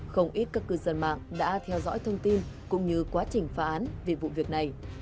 không ít các cư dân mạng đã theo dõi thông tin cũng như quá trình phá án vì vụ việc này